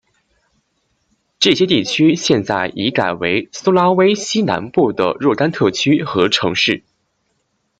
这些地区现在已改为苏拉威西南部的若干特区和城市。